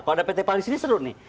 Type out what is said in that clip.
kalau ada pt pal disini seru nih